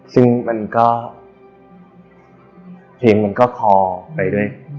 ซึ่งมันก็เพลงมันก็คอไปด้วย